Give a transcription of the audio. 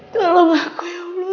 tolong aku ya allah